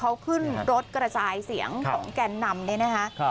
เขาขึ้นรถกระจายเสียงของแก่นนำเนี่ยนะคะ